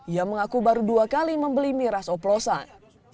ia mengaku baru dua kali membeli miras oplosan